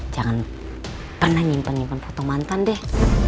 jangan pernah nyimpen nyimpen foto mantan deh